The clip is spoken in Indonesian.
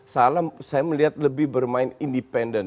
salah saya melihat lebih bermain independen